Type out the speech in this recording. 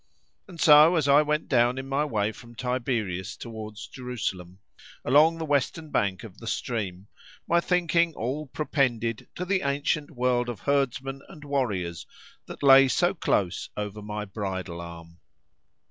And so, as I went down in my way from Tiberias towards Jerusalem, along the western bank of the stream, my thinking all propended to the ancient world of herdsmen and warriors that lay so close over my bridle arm.